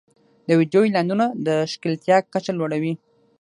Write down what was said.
د ویډیو اعلانونه د ښکېلتیا کچه لوړوي.